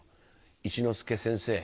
一之輔先生